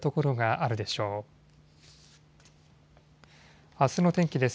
あすの天気です。